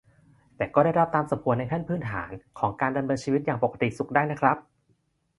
แต่ก็ได้รับตามสมควรในขั้นพื้นฐานของการดำเนินชีวิตอย่างปกติสุขได้นะครับ